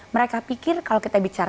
mereka pikir kalau kita bicara